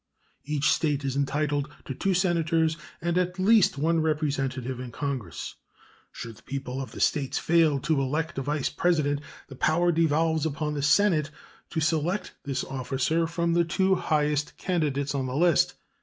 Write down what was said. Each State is entitled to two Senators and at least one Representative in Congress. Should the people of the States fail to elect a Vice President, the power devolves upon the Senate to select this officer from the two highest candidates on the list.